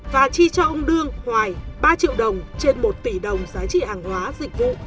và chi cho ông đương hoài ba triệu đồng trên một tỷ đồng giá trị hàng hóa dịch vụ